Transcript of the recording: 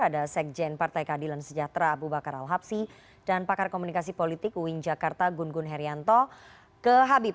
ada sekjen partai keadilan sejahtera abu bakar al habsi dan pakar komunikasi politik uin jakarta gun gun herianto ke habib